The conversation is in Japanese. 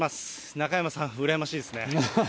中山さん、羨ましいですね。